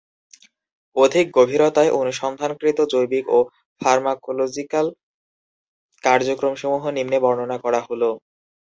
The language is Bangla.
অধিক গভীরতায় অনুসন্ধানকৃত জৈবিক ও ফার্মাকোলজিকাল কার্যক্রমসমূহ নিম্নে বর্ণনা করা হলো।